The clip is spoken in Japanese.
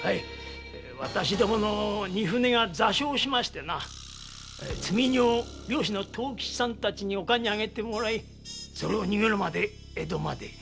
私どもの荷船が座礁しましてな積み荷を漁師の藤吉さんたちに陸に揚げてもらいそれを荷車で江戸まで。